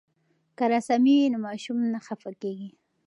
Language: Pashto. که رسامي وي نو ماشوم نه خفه کیږي.